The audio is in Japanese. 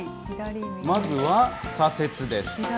まずは左折です。